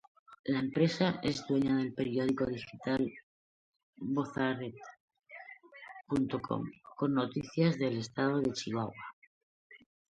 La empresa es dueña del periódico digital vozenred.com con noticias del Estado de Chihuahua.